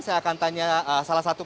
saya akan tanya salah satu